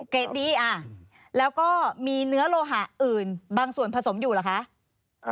เกรดดีแล้วก็มีเนื้อโลหะอื่นบางส่วนผสมอยู่เหรอคะ